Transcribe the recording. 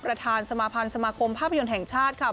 ประธานสมาพันธ์สมาคมภาพยนตร์แห่งชาติค่ะ